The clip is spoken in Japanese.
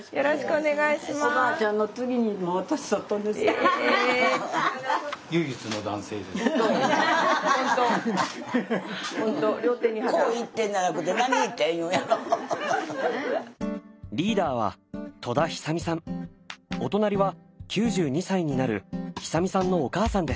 お隣は９２歳になる久美さんのお母さんです。